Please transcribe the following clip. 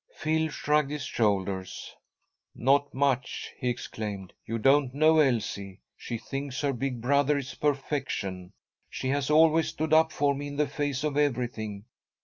Phil shrugged his shoulders. "Not much!" he exclaimed. "You don't know Elsie. She thinks her big brother is perfection. She has always stood up for me in the face of everything.